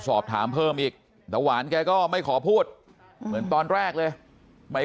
สอบถามเพิ่มอีกตะหวานแกก็ไม่ขอพูดเหมือนตอนแรกเลยไม่